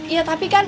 ya tapi kan